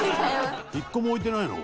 １個も置いてないの？